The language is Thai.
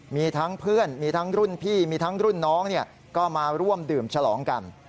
มีทั้งเพื่อนมีทั้งรุ่นพี่มีทั้งรุ่นน้องก็มาร่วมดื่มฉลองกัน